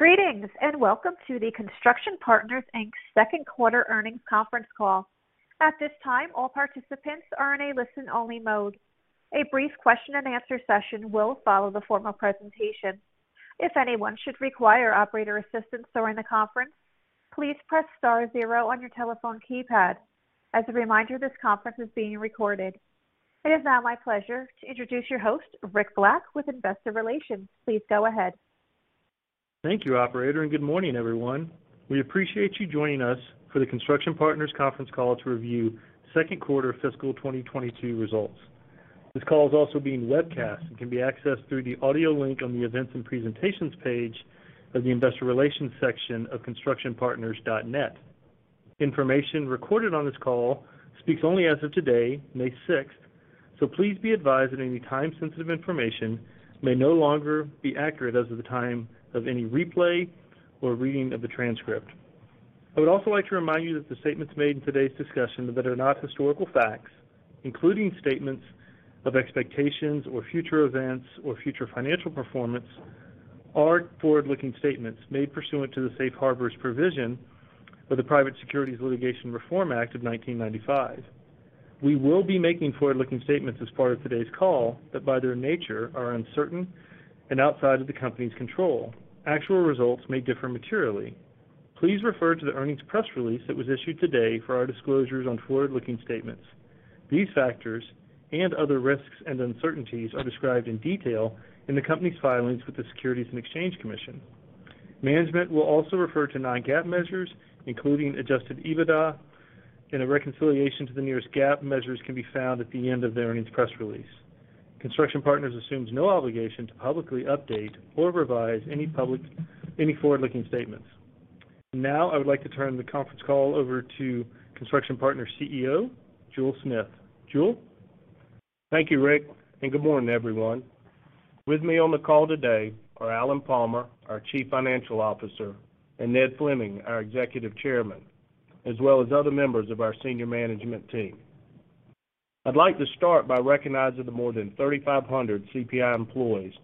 Greetings, and welcome to the Construction Partners, Inc. second quarter earnings conference call. At this time, all participants are in a listen-only mode. A brief question-and-answer session will follow the formal presentation. If anyone should require operator assistance during the conference, please press star zero on your telephone keypad. As a reminder, this conference is being recorded. It is now my pleasure to introduce your host, Rick Black with Investor Relations. Please go ahead. Thank you, operator, and good morning, everyone. We appreciate you joining us for the Construction Partners conference call to review second quarter fiscal 2022 results. This call is also being webcast and can be accessed through the audio link on the Events and Presentations page of the Investor Relations section of constructionpartners.net. Information recorded on this call speaks only as of today, May sixth, so please be advised that any time-sensitive information may no longer be accurate as of the time of any replay or reading of the transcript. I would also like to remind you that the statements made in today's discussion that are not historical facts, including statements of expectations or future events or future financial performance, are forward-looking statements made pursuant to the safe harbors provision of the Private Securities Litigation Reform Act of 1995. We will be making forward-looking statements as part of today's call that, by their nature, are uncertain and outside of the company's control. Actual results may differ materially. Please refer to the earnings press release that was issued today for our disclosures on forward-looking statements. These factors and other risks and uncertainties are described in detail in the company's filings with the Securities and Exchange Commission. Management will also refer to non-GAAP measures, including Adjusted EBITDA, and a reconciliation to the nearest GAAP measures can be found at the end of the earnings press release. Construction Partners assumes no obligation to publicly update or revise any forward-looking statements. Now I would like to turn the conference call over to Construction Partners' CEO, Jule Smith. Thank you, Rick, and good morning, everyone. With me on the call today are Alan Palmer, our Chief Financial Officer, and Ned Fleming, our Executive Chairman, as well as other members of our senior management team. I'd like to start by recognizing the more than 3,500 CPI employees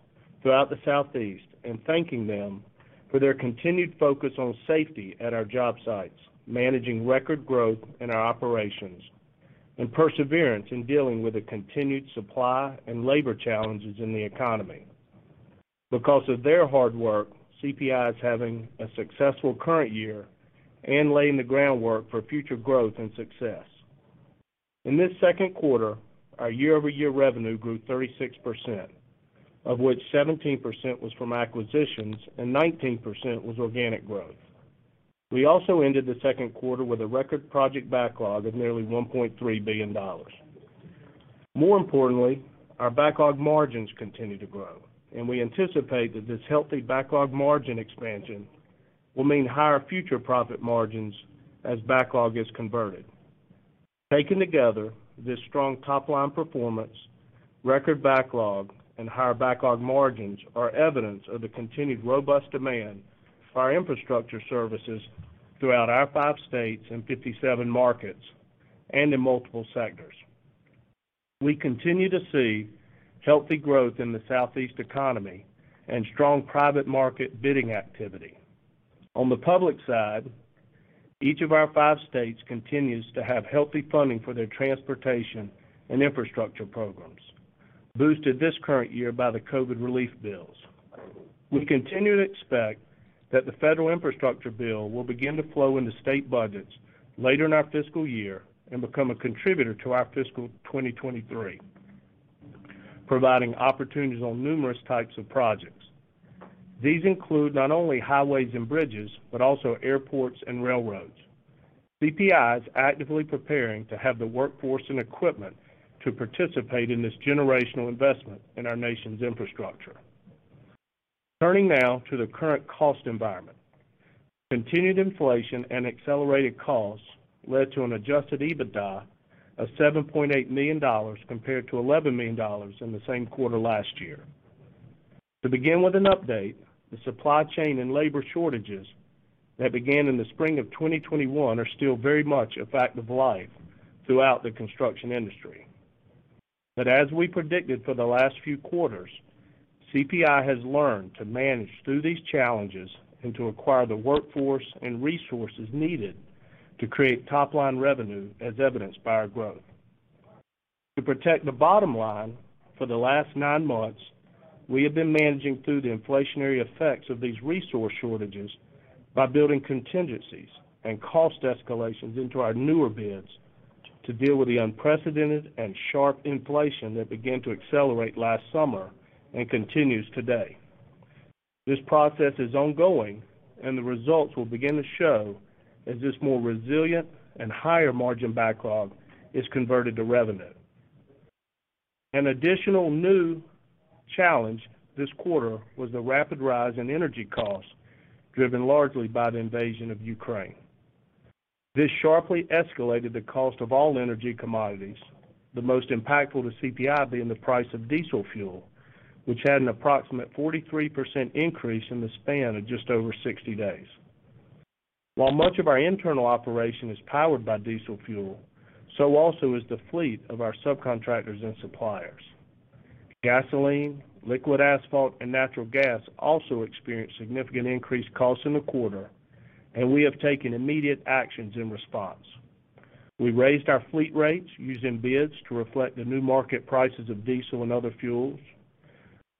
throughout the Southeast and thanking them for their continued focus on safety at our job sites, managing record growth in our operations, and perseverance in dealing with the continued supply and labor challenges in the economy. Because of their hard work, CPI is having a successful current year and laying the groundwork for future growth and success. In this second quarter, our year-over-year revenue grew 36%, of which 17% was from acquisitions and 19% was organic growth. We also ended the second quarter with a record project backlog of nearly $1.3 billion. More importantly, our backlog margins continue to grow, and we anticipate that this healthy backlog margin expansion will mean higher future profit margins as backlog is converted. Taken together, this strong top-line performance, record backlog, and higher backlog margins are evidence of the continued robust demand for our infrastructure services throughout our five states and 57 markets and in multiple sectors. We continue to see healthy growth in the Southeast economy and strong private market bidding activity. On the public side, each of our five states continues to have healthy funding for their transportation and infrastructure programs, boosted this current year by the COVID relief bills. We continue to expect that the federal infrastructure bill will begin to flow into state budgets later in our fiscal year and become a contributor to our fiscal 2023, providing opportunities on numerous types of projects. These include not only highways and bridges, but also airports and railroads. CPI is actively preparing to have the workforce and equipment to participate in this generational investment in our nation's infrastructure. Turning now to the current cost environment. Continued inflation and accelerated costs led to an Adjusted EBITDA of $7.8 million compared to $11 million in the same quarter last year. To begin with an update, the supply chain and labor shortages that began in the spring of 2021 are still very much a fact of life throughout the construction industry. As we predicted for the last few quarters, CPI has learned to manage through these challenges and to acquire the workforce and resources needed to create top-line revenue, as evidenced by our growth. To protect the bottom line, for the last nine months, we have been managing through the inflationary effects of these resource shortages by building contingencies and cost escalations into our newer bids to deal with the unprecedented and sharp inflation that began to accelerate last summer and continues today. This process is ongoing, and the results will begin to show as this more resilient and higher-margin backlog is converted to revenue. An additional new challenge this quarter was the rapid rise in energy costs, driven largely by the invasion of Ukraine. This sharply escalated the cost of all energy commodities, the most impactful to CPI being the price of diesel fuel, which had an approximate 43% increase in the span of just over 60 days. While much of our internal operation is powered by diesel fuel, so also is the fleet of our subcontractors and suppliers. Gasoline, liquid asphalt, and natural gas also experienced significant increased costs in the quarter, and we have taken immediate actions in response. We raised our fleet rates using bids to reflect the new market prices of diesel and other fuels.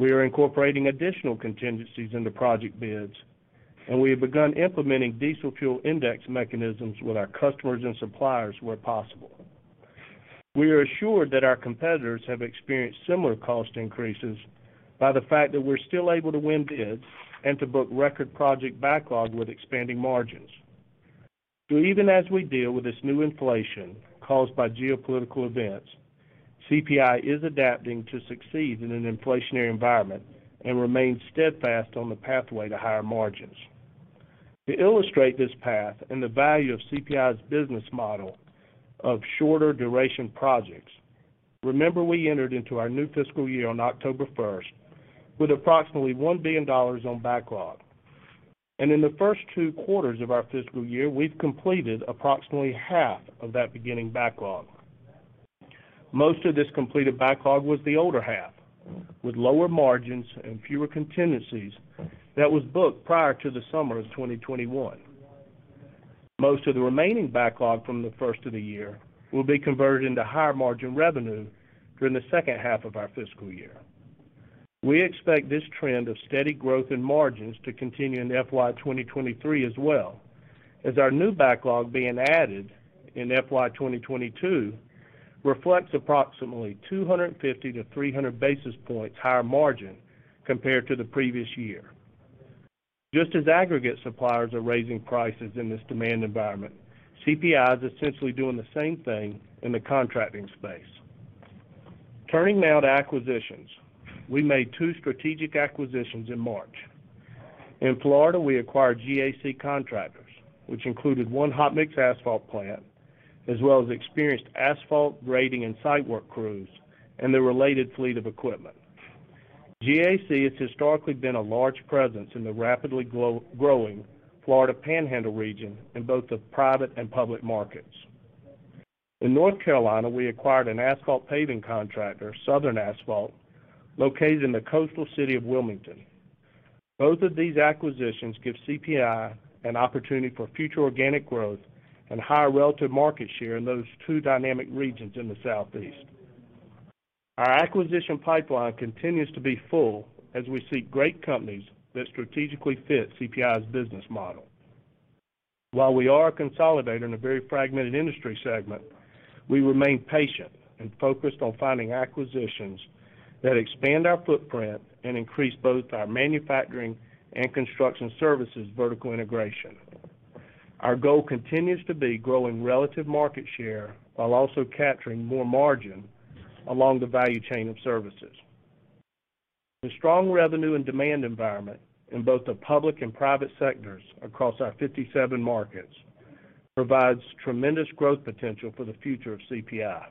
We are incorporating additional contingencies into project bids, and we have begun implementing diesel fuel index mechanisms with our customers and suppliers where possible. We are assured that our competitors have experienced similar cost increases by the fact that we're still able to win bids and to book record project backlog with expanding margins. Even as we deal with this new inflation caused by geopolitical events, CPI is adapting to succeed in an inflationary environment and remain steadfast on the pathway to higher margins. To illustrate this path and the value of CPI's business model of shorter duration projects, remember we entered into our new fiscal year on October 1 with approximately $1 billion on backlog, and in the first two quarters of our fiscal year, we've completed approximately half of that beginning backlog. Most of this completed backlog was the older half with lower margins and fewer contingencies that was booked prior to the summer of 2021. Most of the remaining backlog from the first of the year will be converted into higher margin revenue during the second half of our fiscal year. We expect this trend of steady growth in margins to continue into FY 2023 as well, as our new backlog being added in FY 2022 reflects approximately 250-300 basis points higher margin compared to the previous year. Just as aggregate suppliers are raising prices in this demand environment, CPI is essentially doing the same thing in the contracting space. Turning now to acquisitions. We made two strategic acquisitions in March. In Florida, we acquired GAC Contractors, which included one hot mix asphalt plant, as well as experienced asphalt grading and site work crews and the related fleet of equipment. GAC has historically been a large presence in the rapidly growing Florida Panhandle region in both the private and public markets. In North Carolina, we acquired an asphalt paving contractor, Southern Asphalt, located in the coastal city of Wilmington. Both of these acquisitions give CPI an opportunity for future organic growth and higher relative market share in those two dynamic regions in the Southeast. Our acquisition pipeline continues to be full as we seek great companies that strategically fit CPI's business model. While we are a consolidator in a very fragmented industry segment, we remain patient and focused on finding acquisitions that expand our footprint and increase both our manufacturing and construction services vertical integration. Our goal continues to be growing relative market share while also capturing more margin along the value chain of services. The strong revenue and demand environment in both the public and private sectors across our 57 markets provides tremendous growth potential for the future of CPI.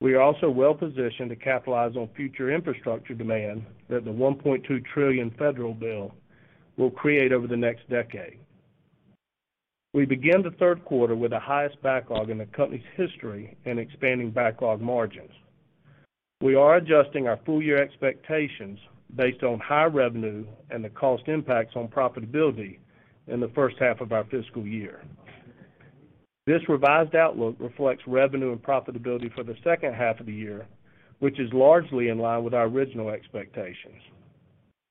We are also well-positioned to capitalize on future infrastructure demand that the $1.2 trillion federal bill will create over the next decade. We begin the third quarter with the highest backlog in the company's history and expanding backlog margins. We are adjusting our full year expectations based on higher revenue and the cost impacts on profitability in the first half of our fiscal year. This revised outlook reflects revenue and profitability for the second half of the year, which is largely in line with our original expectations.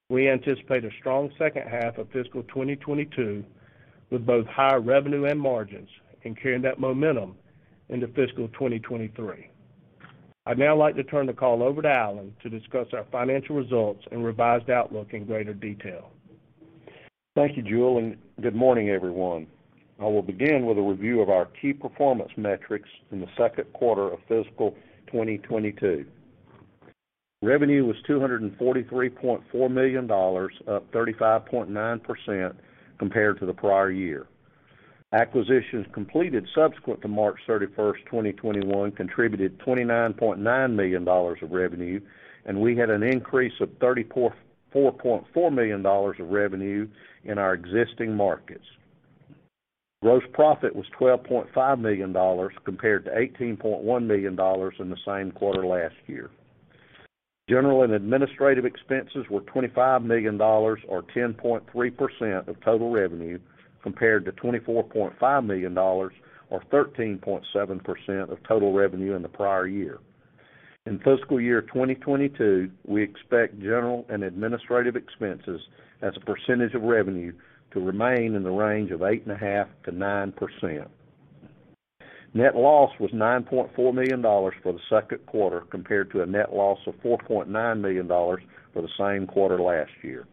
We anticipate a strong second half of fiscal 2022 with both higher revenue and margins and carrying that momentum into fiscal 2023. I'd now like to turn the call over to Alan to discuss our financial results and revised outlook in greater detail. Thank you, Jule, and good morning, everyone. I will begin with a review of our key performance metrics in the second quarter of fiscal 2022. Revenue was $243.4 million, up 35.9% compared to the prior year. Acquisitions completed subsequent to March 31, 2021, contributed $29.9 million of revenue, and we had an increase of $34.4 million of revenue in our existing markets. Gross profit was $12.5 million compared to $18.1 million in the same quarter last year. General and administrative expenses were $25 million or 10.3% of total revenue, compared to $24.5 million or 13.7% of total revenue in the prior year. In fiscal year 2022, we expect general and administrative expenses as a percentage of revenue to remain in the range of 8.5%-9%. Net loss was $9.4 million for the second quarter compared to a net loss of $4.9 million for the same quarter last year.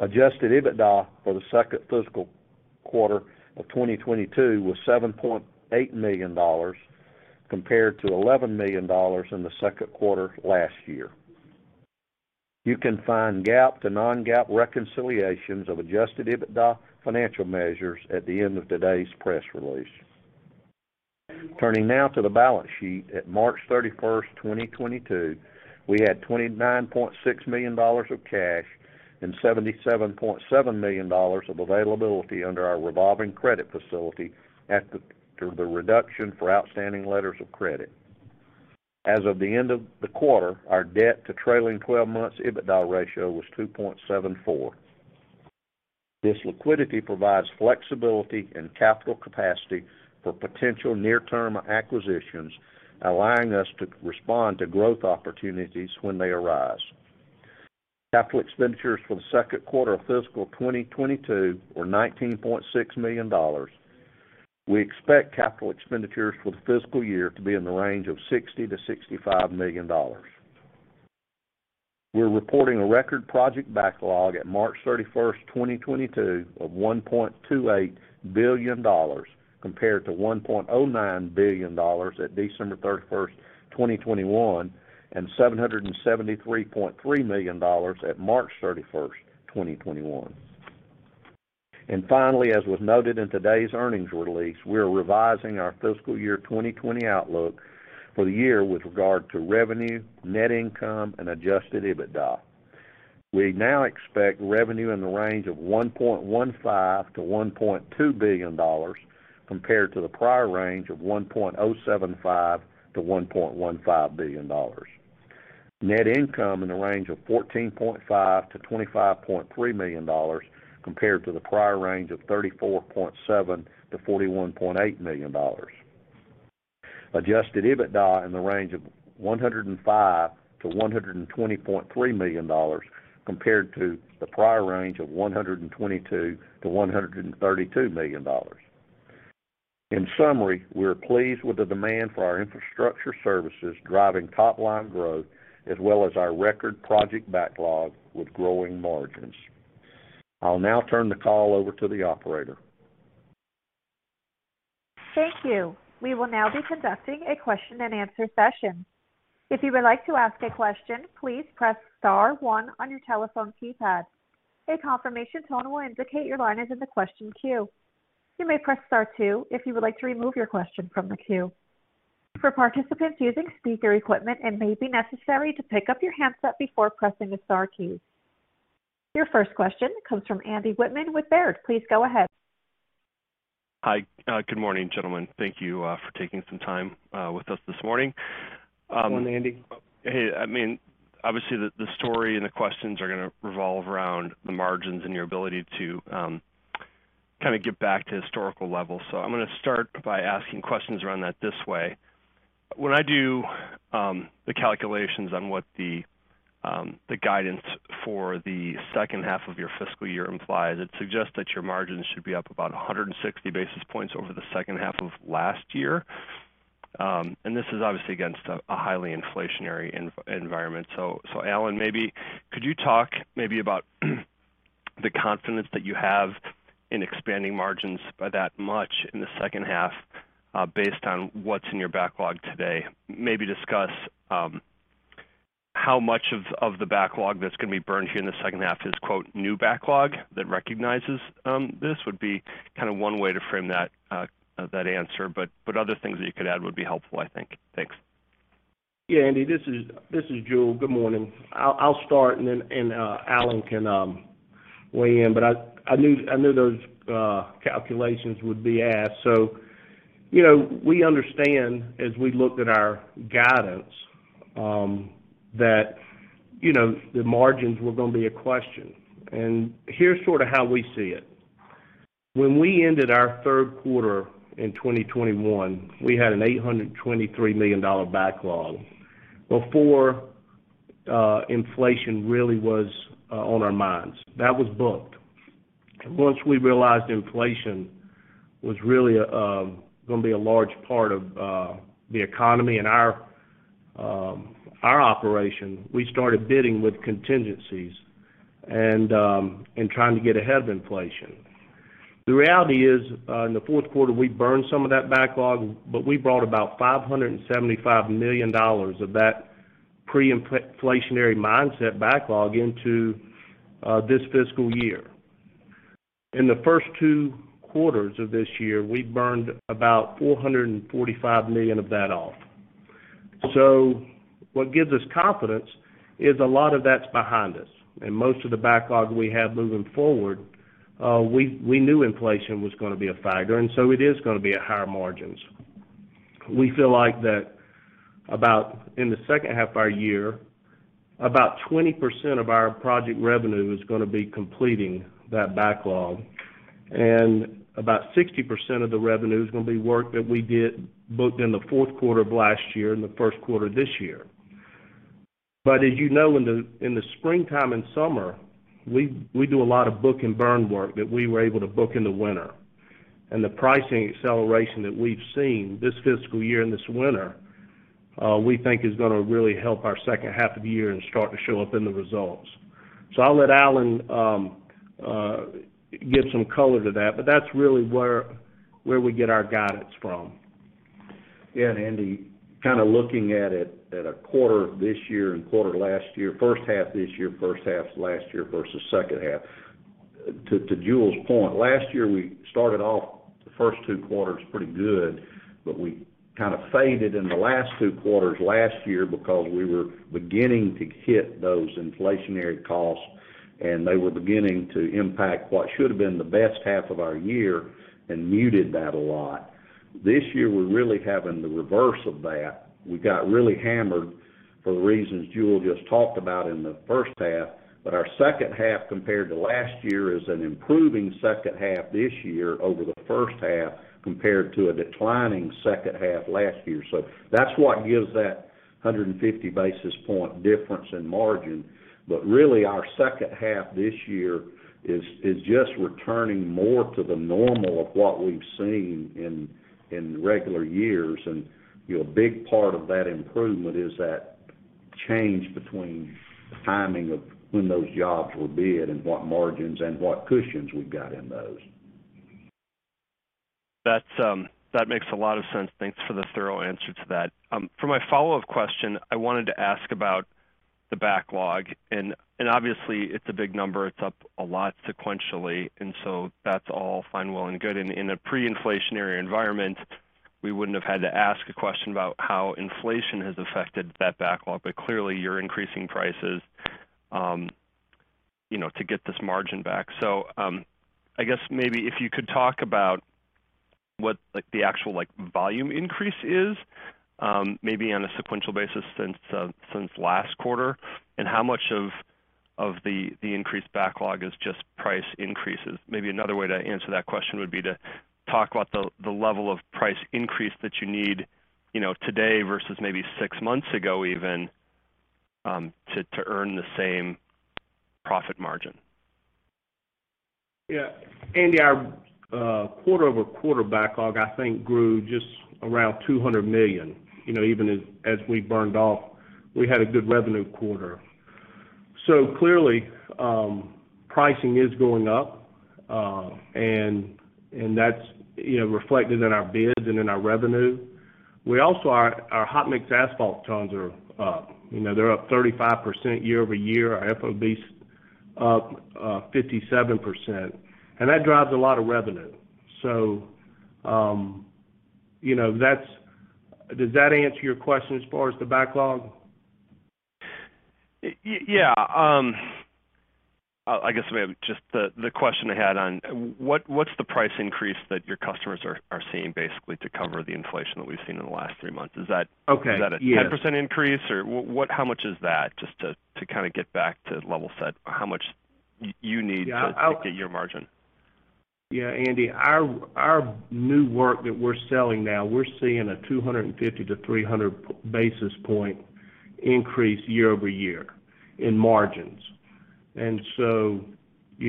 Adjusted EBITDA for the second fiscal quarter of 2022 was $7.8 million compared to $11 million in the second quarter last year. You can find GAAP to non-GAAP reconciliations of Adjusted EBITDA financial measures at the end of today's press release. Turning now to the balance sheet. At March 31st, 2022, we had $29.6 million of cash and $77.7 million of availability under our revolving credit facility after the reduction for outstanding letters of credit. As of the end of the quarter, our debt to trailing twelve months EBITDA ratio was 2.74. This liquidity provides flexibility and capital capacity for potential near-term acquisitions, allowing us to respond to growth opportunities when they arise. Capital expenditures for the second quarter of fiscal 2022 were $19.6 million. We expect capital expenditures for the fiscal year to be in the range of $60-65 million. We're reporting a record project backlog at March 31, 2022 of $1.28 billion compared to $1.09 billion at December 31, 2021, and $773.3 million at March 31, 2021. Finally, as was noted in today's earnings release, we are revising our fiscal year 2020 outlook for the year with regard to revenue, net income and Adjusted EBITDA. We now expect revenue in the range of $1.15-1.2 billion compared to the prior range of $1.075-1.15 billion. Net income in the range of $14.5-25.3 million compared to the prior range of $34.7-41.8 million. Adjusted EBITDA in the range of $105-120.3 million compared to the prior range of $122-132 million. In summary, we are pleased with the demand for our infrastructure services driving top line growth as well as our record project backlog with growing margins. I'll now turn the call over to the operator. Thank you. We will now be conducting a question-and-answer session. If you would like to ask a question, please press star one on your telephone keypad. A confirmation tone will indicate your line is in the question queue. You may press star two if you would like to remove your question from the queue. For participants using speaker equipment, it may be necessary to pick up your handset before pressing the star key. Your first question comes from Andy Wittmann with Baird. Please go ahead. Hi. Good morning, gentlemen. Thank you for taking some time with us this morning. Good morning, Andy. Hey, obviously the story and the questions are gonna revolve around the margins and your ability to kind of get back to historical levels. I'm gonna start by asking questions around that this way. When I do the calculations on what the guidance for the second half of your fiscal year implies, it suggests that your margins should be up about 160 basis points over the second half of last year. And this is obviously against a highly inflationary environment. Alan, maybe could you talk maybe about the confidence that you have in expanding margins by that much in the second half, based on what's in your backlog today? Maybe discuss how much of the backlog that's gonna be burned here in the second half is quote new backlog that recognizes this would be kind of one way to frame that answer, but other things that you could add would be helpful, I think. Thanks. Yeah, Andy, this is Jule. Good morning. I'll start and then Alan can weigh in, but I knew those calculations would be asked. You know, we understand as we looked at our guidance that you know, the margins were gonna be a question, and here's sort of how we see it. When we ended our third quarter in 2021, we had a $823 million backlog before inflation really was on our minds. That was booked. Once we realized inflation was really gonna be a large part of the economy and our operation, we started bidding with contingencies and trying to get ahead of inflation. The reality is, in the fourth quarter, we burned some of that backlog, but we brought about $575 million of that pre-inflationary mindset backlog into this fiscal year. In the first two quarters of this year, we burned about $445 million of that off. What gives us confidence is a lot of that's behind us, and most of the backlog we have moving forward, we knew inflation was gonna be a factor, and so it is gonna be at higher margins. We feel like that about, in the second half of our year, about 20% of our project revenue is gonna be completing that backlog, and about 60% of the revenue is gonna be work that we did booked in the fourth quarter of last year and the first quarter this year. As you know, in the springtime and summer, we do a lot of book and burn work that we were able to book in the winter. The pricing acceleration that we've seen this fiscal year and this winter, we think is gonna really help our second half of the year and start to show up in the results. I'll let Alan give some color to that, but that's really where we get our guidance from. Yeah. Jule, kind of looking at it at a quarter this year and quarter last year. First half this year, first half last year versus second half. To Jule's point, last year, we started off the first two quarters pretty good, but we kind of faded in the last two quarters last year because we were beginning to hit those inflationary costs, and they were beginning to impact what should have been the best half of our year and muted that a lot. This year, we're really having the reverse of that. We got really hammered for the reasons Jule just talked about in the first half, but our second half compared to last year is an improving second half this year over the first half compared to a declining second half last year. That's what gives that 150 basis point difference in margin. Really, our second half this year is just returning more to the normal of what we've seen in regular years. You know, a big part of that improvement is that change between the timing of when those jobs were bid and what margins and what cushions we've got in those. That makes a lot of sense. Thanks for the thorough answer to that. For my follow-up question, I wanted to ask about the backlog. Obviously, it's a big number. It's up a lot sequentially, and so that's all fine, well, and good. In a pre-inflationary environment, we wouldn't have had to ask a question about how inflation has affected that backlog. Clearly, you're increasing prices, you know, to get this margin back. I guess, maybe if you could talk about what, like, the actual, like, volume increase is, maybe on a sequential basis since last quarter, and how much of the increased backlog is just price increases? Maybe another way to answer that question would be to talk about the level of price increase that you need, you know, today versus maybe six months ago even, to earn the same profit margin. Yeah. Andy, our quarter-over-quarter backlog, I think, grew just around $200 million. You know, even as we burned off, we had a good revenue quarter. Clearly, pricing is going up. And that's, you know, reflected in our bids and in our revenue. We also, our hot mix asphalt tons are up. You know, they're up 35% year-over-year. Our FOB's up 57%, and that drives a lot of revenue. Does that answer your question as far as the backlog? Yeah. I guess maybe just the question I had on what's the price increase that your customers are seeing basically to cover the inflation that we've seen in the last three months? Is that- Okay. Yeah. Is that a 10% increase, or what how much is that? Just to kind of get back to level set how much you need to- Yeah. to get your margin. Yeah, Andy, our new work that we're selling now, we're seeing a 250-300 basis point increase year-over-year in margins. You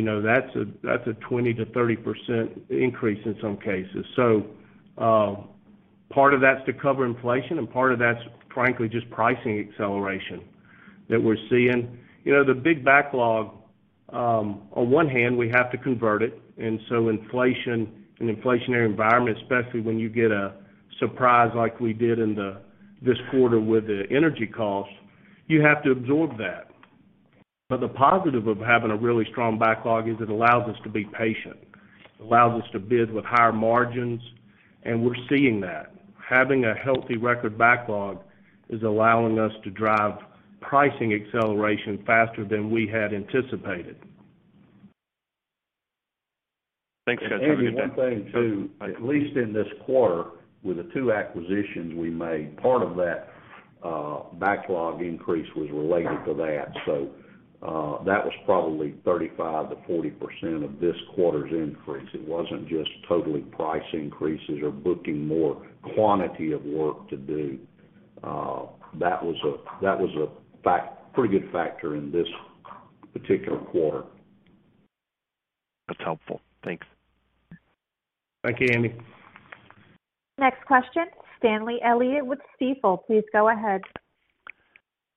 know, that's a 20%-30% increase in some cases. Part of that's to cover inflation and part of that's, frankly, just pricing acceleration that we're seeing. You know, the big backlog, on one hand, we have to convert it. Inflation in an inflationary environment, especially when you get a surprise like we did in this quarter with the energy costs, you have to absorb that. The positive of having a really strong backlog is it allows us to be patient. It allows us to bid with higher margins, and we're seeing that. Having a healthy record backlog is allowing us to drive pricing acceleration faster than we had anticipated. Thanks, guys. Have a good day. Andy, one thing too. At least in this quarter, with the two acquisitions we made, part of that, backlog increase was related to that. That was probably 35%-40% of this quarter's increase. It wasn't just totally price increases or booking more quantity of work to do. That was a pretty good factor in this particular quarter. That's helpful. Thanks. Thank you, Andy. Next question, Stanley Elliott with Stifel. Please go ahead.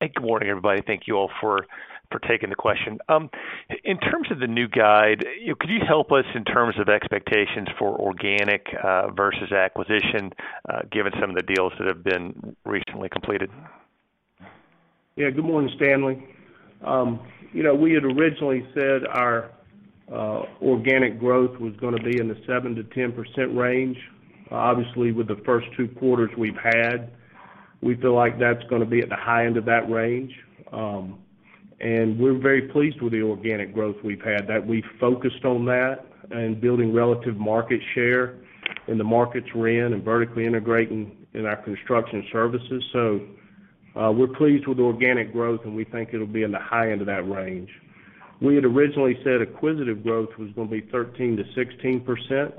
Hey, good morning, everybody. Thank you all for taking the question. In terms of the new guide, you know, could you help us in terms of expectations for organic versus acquisition, given some of the deals that have been recently completed? Yeah. Good morning, Stanley. You know, we had originally said our organic growth was gonna be in the 7%-10% range. Obviously, with the first two quarters we've had, we feel like that's gonna be at the high end of that range. We're very pleased with the organic growth we've had, that we focused on that and building relative market share in the markets we're in and vertically integrating in our construction services. We're pleased with the organic growth, and we think it'll be in the high end of that range. We had originally said acquisitive growth was gonna be 13%-16%,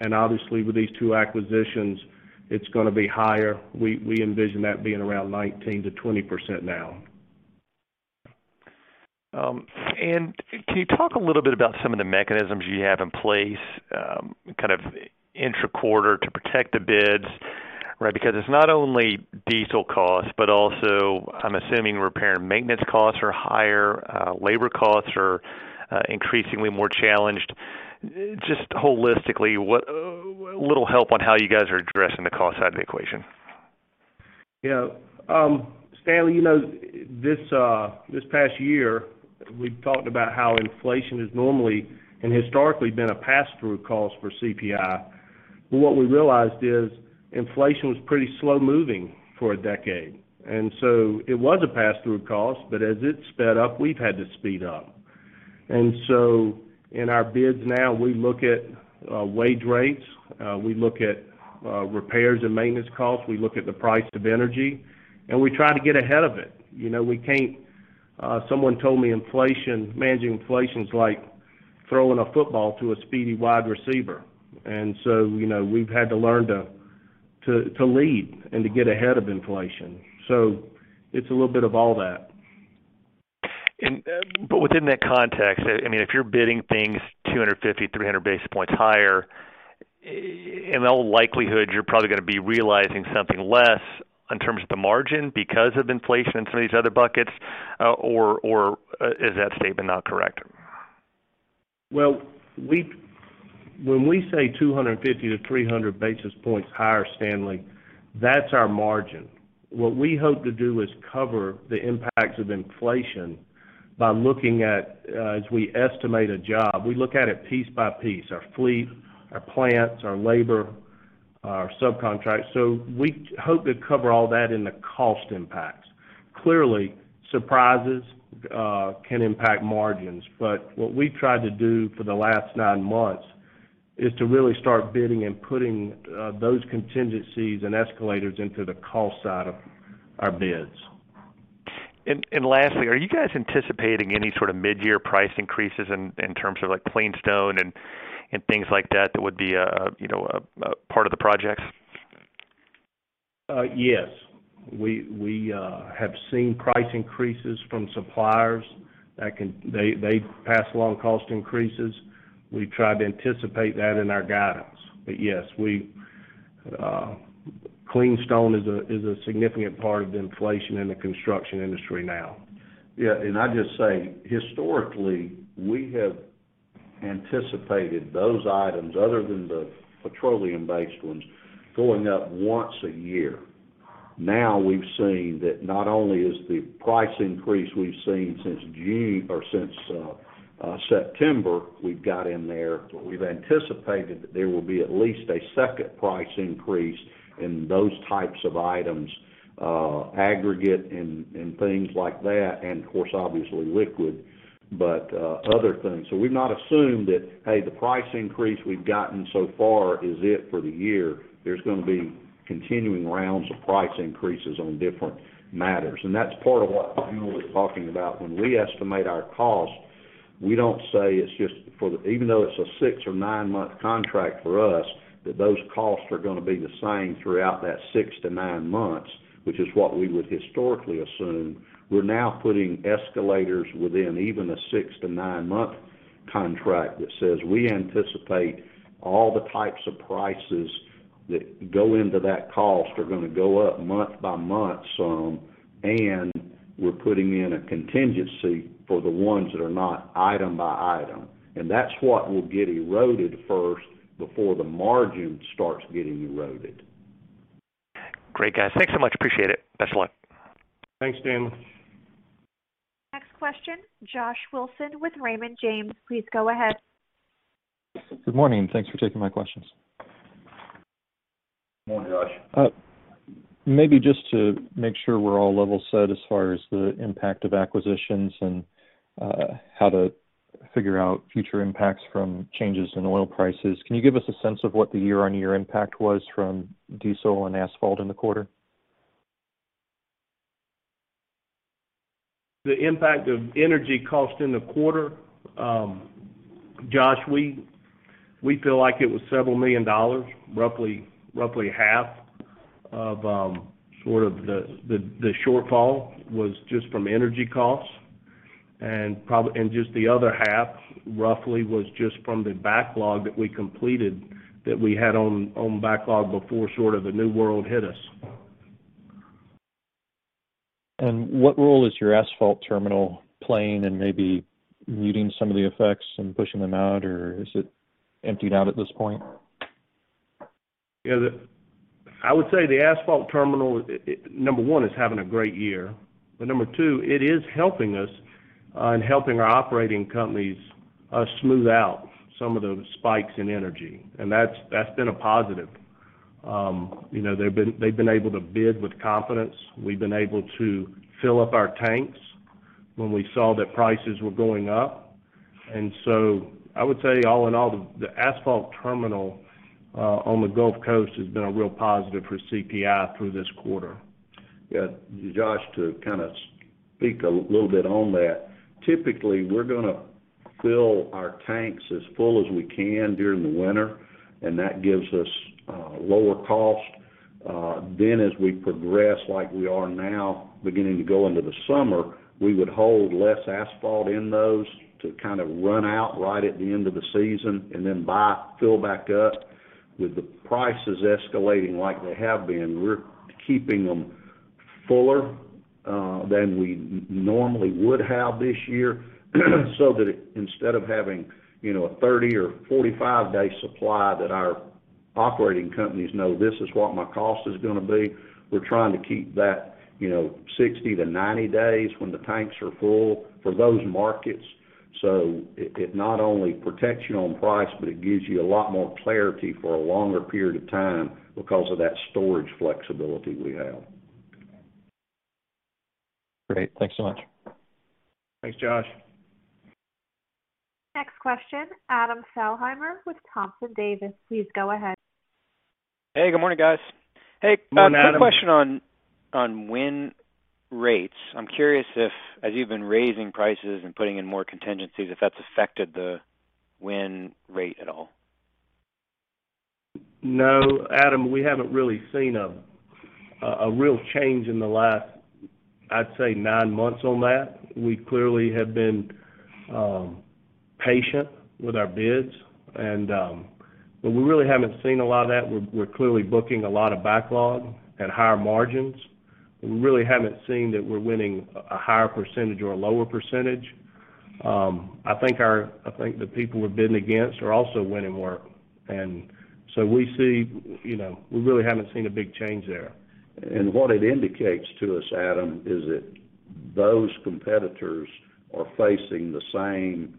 and obviously with these two acquisitions, it's gonna be higher. We envision that being around 19%-20% now. Can you talk a little bit about some of the mechanisms you have in place, kind of intra-quarter to protect the bids, right? Because it's not only diesel costs, but also I'm assuming repair and maintenance costs are higher, labor costs are increasingly more challenged. Just holistically, a little help on how you guys are addressing the cost side of the equation. Yeah. Stanley, you know, this past year, we've talked about how inflation is normally and historically been a pass-through cost for CPI. What we realized is inflation was pretty slow-moving for a decade, and so it was a pass-through cost, but as it sped up, we've had to speed up. In our bids now, we look at wage rates, we look at repairs and maintenance costs. We look at the price of energy, and we try to get ahead of it. You know, we can't. Someone told me managing inflation is like throwing a football to a speedy wide receiver. You know, we've had to learn to lead and to get ahead of inflation. It's a little bit of all that. Within that context, I mean, if you're bidding things 250-300 basis points higher, in all likelihood, you're probably gonna be realizing something less in terms of the margin because of inflation in some of these other buckets, or is that statement not correct? When we say 250-300 basis points higher, Stanley, that's our margin. What we hope to do is cover the impacts of inflation by looking at, as we estimate a job, we look at it piece by piece, our fleet, our plants, our labor, our subcontract. We hope to cover all that in the cost impacts. Clearly, surprises can impact margins, but what we tried to do for the last nine months is to really start bidding and putting those contingencies and escalators into the cost side of our bids. Lastly, are you guys anticipating any sort of midyear price increases in terms of, like, clean stone and things like that that would be a, you know, a part of the projects? Yes. We have seen price increases from suppliers. They pass along cost increases. We try to anticipate that in our guidance. Yes, clean stone is a significant part of the inflation in the construction industry now. Yeah. I'd just say, historically, we have anticipated those items other than the petroleum-based ones going up once a year. Now we've seen that not only is the price increase we've seen since June or since September, we've got in there, but we've anticipated that there will be at least a second price increase in those types of items, aggregate and things like that, and of course, obviously liquid, but other things. We've not assumed that, hey, the price increase we've gotten so far is it for the year. There's gonna be continuing rounds of price increases on different matters. That's part of what Jule was talking about. When we estimate our cost, we don't say it's just, even though a six or nine -month contract for us, that those costs are gonna be the same throughout that six to nine months, which is what we would historically assume. We're now putting escalators within even a six or nine month contract that says we anticipate all the types of prices that go into that cost are gonna go up month by month, some, and we're putting in a contingency for the ones that are not item by item. That's what will get eroded first before the margin starts getting eroded. Great, guys. Thanks so much. Appreciate it. Best of luck. Thanks, Stanley. Next question, Joshua Wilson with Raymond James. Please go ahead. Good morning. Thanks for taking my questions. Good morning, Josh. Maybe just to make sure we're all level set as far as the impact of acquisitions and how to figure out future impacts from changes in oil prices, can you give us a sense of what the year-on-year impact was from diesel and asphalt in the quarter? The impact of energy costs in the quarter, Josh, we feel like it was several million dollars, roughly half of the shortfall was just from energy costs. Just the other half, roughly, was just from the backlog that we completed that we had on backlog before sort of the new world hit us. What role is your asphalt terminal playing in maybe muting some of the effects and pushing them out, or is it emptied out at this point? Yeah, I would say the asphalt terminal, number one, is having a great year. Number two, it is helping us and helping our operating companies smooth out some of the spikes in energy. That's been a positive. You know, they've been able to bid with confidence. We've been able to fill up our tanks when we saw that prices were going up. I would say all in all, the asphalt terminal on the Gulf Coast has been a real positive for CPI through this quarter. Yeah, Josh, to kind of speak a little bit on that. Typically, we're gonna fill our tanks as full as we can during the winter, and that gives us lower cost. As we progress like we are now beginning to go into the summer, we would hold less asphalt in those to kind of run out right at the end of the season and then buy, fill back up. With the prices escalating like they have been, we're keeping them. Fuller than we normally would have this year. That instead of having, you know, a 30- or 45-day supply that our operating companies know this is what my cost is gonna be, we're trying to keep that, you know, 60-90 days when the tanks are full for those markets. It not only protects you on price, but it gives you a lot more clarity for a longer period of time because of that storage flexibility we have. Great. Thanks so much. Thanks, Josh. Next question, Adam Thalhimer with Thompson Davis & Co. Please go ahead. Hey, good morning, guys. Good morning, Adam. Hey, a question on win rates. I'm curious if, as you've been raising prices and putting in more contingencies, if that's affected the win rate at all. No, Adam, we haven't really seen a real change in the last, I'd say, nine months on that. We clearly have been patient with our bids. We really haven't seen a lot of that. We're clearly booking a lot of backlog at higher margins. We really haven't seen that we're winning a higher percentage or a lower percentage. I think the people we're bidding against are also winning more. We see, you know, we really haven't seen a big change there. What it indicates to us, Adam, is that those competitors are facing the same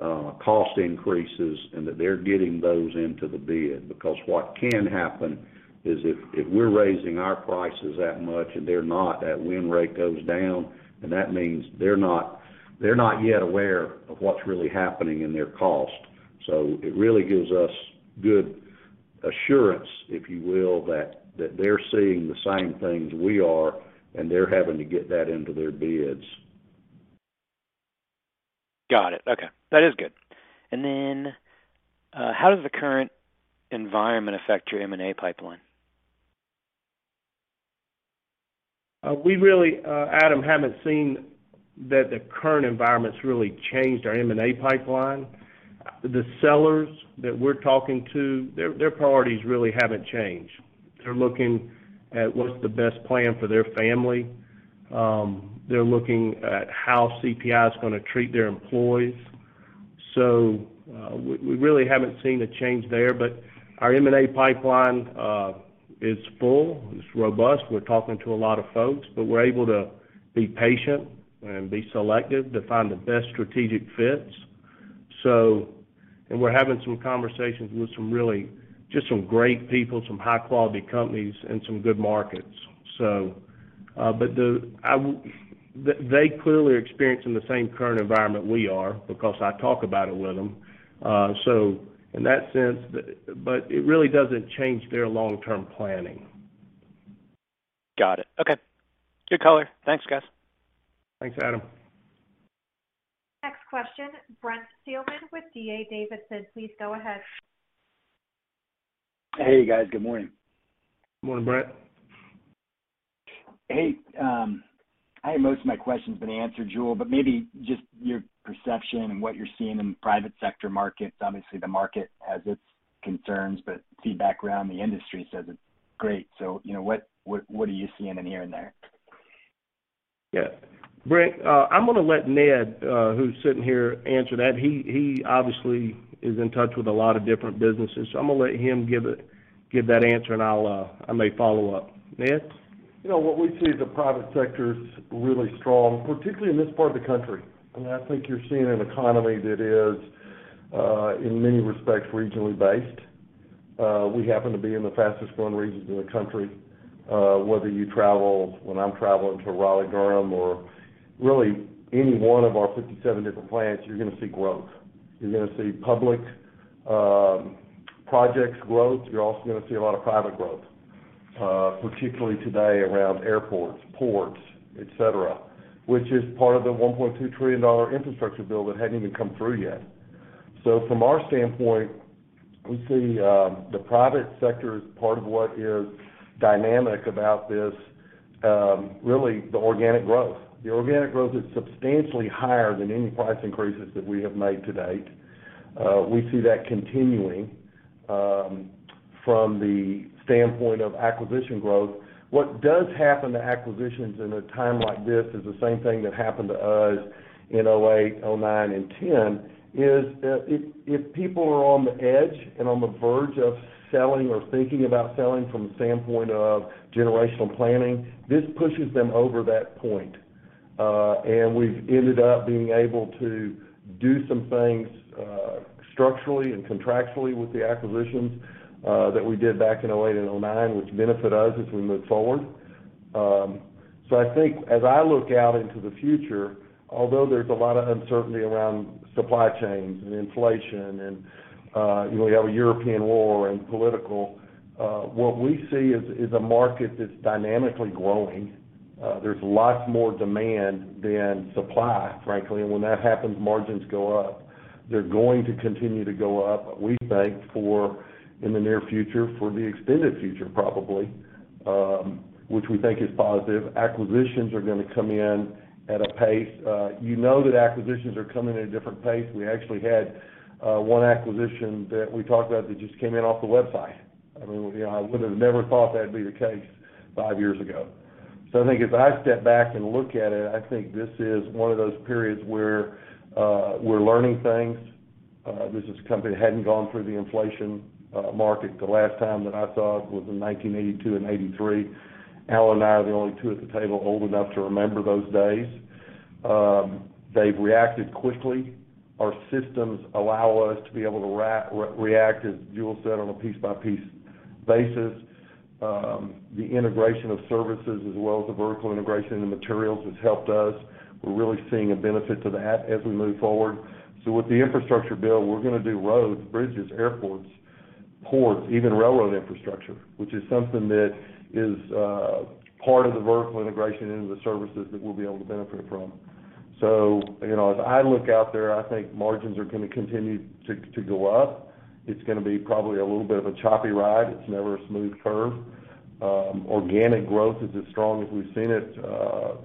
cost increases, and that they're getting those into the bid. Because what can happen is if we're raising our prices that much and they're not, that win rate goes down, and that means they're not yet aware of what's really happening in their cost. So it really gives us good assurance, if you will, that they're seeing the same things we are, and they're having to get that into their bids. Got it. Okay. That is good. How does the current environment affect your M&A pipeline? We really, Adam, haven't seen that the current environment's really changed our M&A pipeline. The sellers that we're talking to, their priorities really haven't changed. They're looking at what's the best plan for their family. They're looking at how CPI is gonna treat their employees. We really haven't seen a change there. Our M&A pipeline is full, it's robust. We're talking to a lot of folks, but we're able to be patient and be selective to find the best strategic fits. We're having some conversations with some really, just some great people, some high quality companies and some good markets. They clearly are experiencing the same current environment we are because I talk about it with them. It really doesn't change their long-term planning. Got it. Okay. Good color. Thanks, guys. Thanks, Adam. Next question, Brent Thielman with D.A. Davidson. Please go ahead. Hey, guys. Good morning. Morning, Brent. Hey, I had most of my questions been answered, Jule, but maybe just your perception and what you're seeing in private sector markets. Obviously, the market has its concerns, but feedback around the industry says it's great. You know, what are you seeing and hearing there? Yeah. Brent, I'm gonna let Ned, who's sitting here, answer that. He obviously is in touch with a lot of different businesses. I'm gonna let him give that answer, and I'll I may follow up. Ned? You know what? We see the private sector is really strong, particularly in this part of the country. I think you're seeing an economy that is in many respects, regionally based. We happen to be in the fastest growing regions in the country. Whether you travel, when I'm traveling to Raleigh-Durham or really any one of our 57 different plants, you're gonna see growth. You're gonna see public projects growth. You're also gonna see a lot of private growth, particularly today around airports, ports, et cetera, which is part of the $1.2 trillion infrastructure bill that hadn't even come through yet. From our standpoint, we see the private sector as part of what is dynamic about this, really the organic growth. The organic growth is substantially higher than any price increases that we have made to date. We see that continuing. From the standpoint of acquisition growth, what does happen to acquisitions in a time like this is the same thing that happened to us in 2008, 2009, and 2010, if people are on the edge and on the verge of selling or thinking about selling from the standpoint of generational planning, this pushes them over that point. We've ended up being able to do some things structurally and contractually with the acquisitions that we did back in 2008 and 2009, which benefit us as we move forward. I think as I look out into the future, although there's a lot of uncertainty around supply chains and inflation and you know, we have a European war and political what we see is a market that's dynamically growing. There's lots more demand than supply, frankly. When that happens, margins go up. They're going to continue to go up, we think, in the near future, for the extended future, probably, which we think is positive. Acquisitions are gonna come in at a pace. You know that acquisitions are coming at a different pace. We actually had one acquisition that we talked about that just came in off the website. I mean, you know, I would've never thought that'd be the case five years ago. I think as I step back and look at it, I think this is one of those periods where we're learning things. This is a company that hadn't gone through the inflationary market. The last time that I saw it was in 1982 and 1983. Al and I are the only two at the table old enough to remember those days. They've reacted quickly. Our systems allow us to be able to react, as Jule said, on a piece-by-piece basis. The integration of services as well as the vertical integration of the materials has helped us. We're really seeing a benefit to that as we move forward. With the infrastructure bill, we're gonna do roads, bridges, airports, ports, even railroad infrastructure, which is something that is part of the vertical integration into the services that we'll be able to benefit from. You know, as I look out there, I think margins are gonna continue to go up. It's gonna be probably a little bit of a choppy ride. It's never a smooth curve. Organic growth is as strong as we've seen it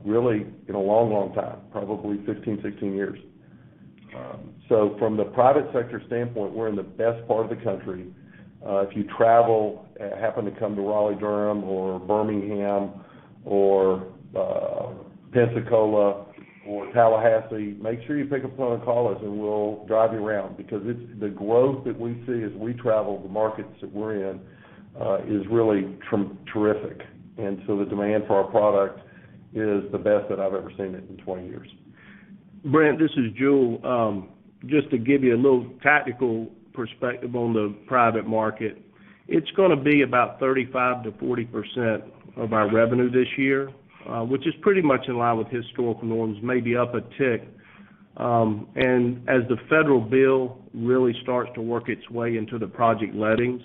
really in a long time, probably 15, 16 years. From the private sector standpoint, we're in the best part of the country. If you travel happen to come to Raleigh-Durham or Birmingham or Pensacola or Tallahassee, make sure you pick up one of us and we'll drive you around because it's the growth that we see as we travel the markets that we're in is really terrific. The demand for our product is the best that I've ever seen it in 20 years. Brent, this is Jule. Just to give you a little tactical perspective on the private market, it's gonna be about 35%-40% of our revenue this year, which is pretty much in line with historical norms, maybe up a tick. As the federal bill really starts to work its way into the project lettings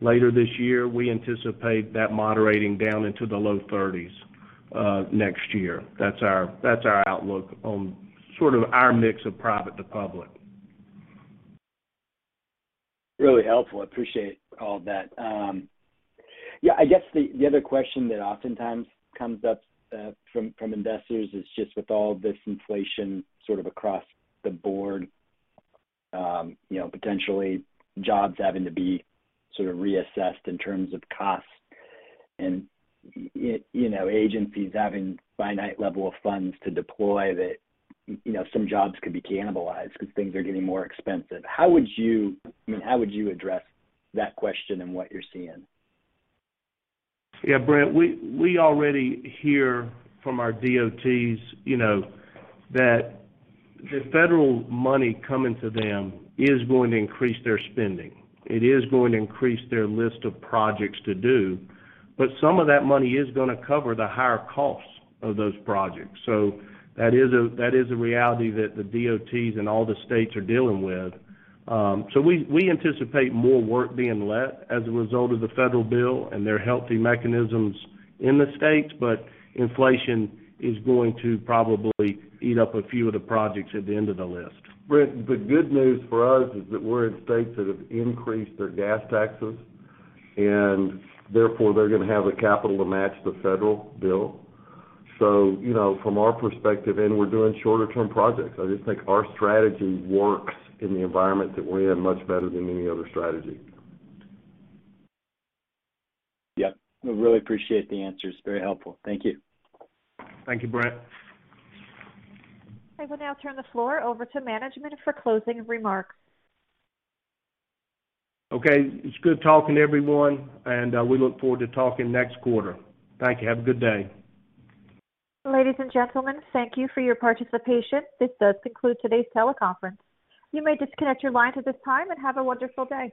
later this year, we anticipate that moderating down into the low 30s%, next year. That's our outlook on sort of our mix of private to public. Really helpful. Appreciate all that. Yeah, I guess the other question that oftentimes comes up from investors is just with all this inflation sort of across the board, you know, potentially jobs having to be sort of reassessed in terms of costs and, you know, agencies having finite level of funds to deploy that, you know, some jobs could be cannibalized 'cause things are getting more expensive. How would you, I mean, how would you address that question in what you're seeing? Yeah, Brent, we already hear from our DOTs, you know, that the federal money coming to them is going to increase their spending. It is going to increase their list of projects to do, but some of that money is gonna cover the higher costs of those projects. That is a reality that the DOTs and all the states are dealing with. We anticipate more work being let as a result of the federal bill and there are healthy mechanisms in the states, but inflation is going to probably eat up a few of the projects at the end of the list. Brent, the good news for us is that we're in states that have increased their gas taxes, and therefore, they're gonna have the capital to match the federal bill. You know, from our perspective, and we're doing shorter-term projects. I just think our strategy works in the environment that we're in much better than any other strategy. Yep. We really appreciate the answers. Very helpful. Thank you. Thank you, Brent. I will now turn the floor over to management for closing remarks. Okay. It's good talking to everyone, and we look forward to talking next quarter. Thank you. Have a good day. Ladies and gentlemen, thank you for your participation. This does conclude today's teleconference. You may disconnect your lines at this time, and have a wonderful day.